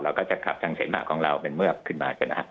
เราก็จะขับทางเสมอของเราเป็นเมือกขึ้นมาจน